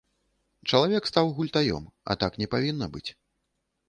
Чалавек стаў гультаём, а так не павінна быць.